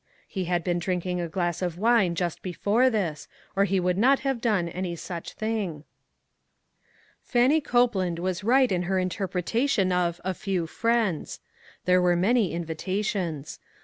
He had been drinking a glass of wine just before this, or he would not have done any such thing. ENGAGEMENTS. 255 Fannie Copeland was right in her interpre tation of " a few friends." There were many invitations.